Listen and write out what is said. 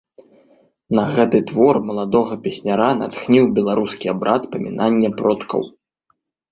На гэты твор маладога песняра натхніў беларускі абрад памінання продкаў.